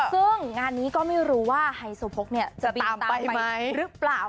ซึ่งงานนี้ก็ไม่รู้ว่าไฮโซโพกเนี่ยจะตามไปหรือเปล่า